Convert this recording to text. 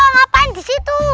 ngapain di situ